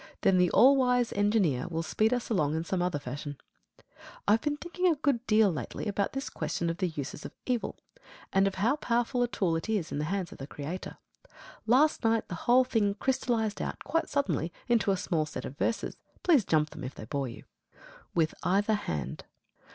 Then the all wise Engineer will speed us along in some other fashion. I've been thinking a good deal lately about this question of the uses of evil, and of how powerful a tool it is in the hands of the Creator. Last night the whole thing crystallised out quite suddenly into a small set of verses. Please jump them if they bore you. WITH EITHER HAND.